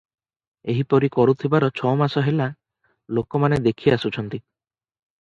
ଏହିପରି କରୁଥିବାର ଛମାସ ହେଲା ଲୋକମାନେ ଦେଖି ଆସୁଛନ୍ତି ।